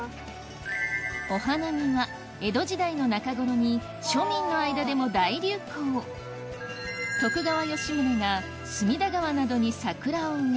お花見は江戸時代の中ごろに庶民の間でも大流行徳川吉宗が隅田川などに桜を植え